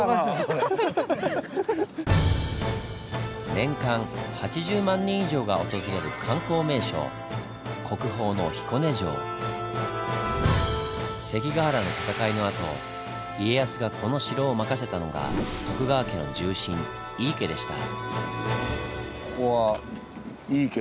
年間８０万人以上が訪れる観光名所関ケ原の戦いのあと家康がこの城を任せたのが徳川家の重臣井伊家でした。